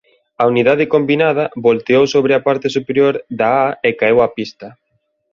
A unidade combinada volteou sobre a parte superior da á e caeu á pista.